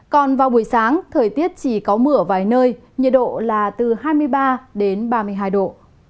còn vào buổi sáng thời tiết chỉ có mưa ở vài nơi nhiệt độ là từ hai mươi ba đến ba mươi hai độ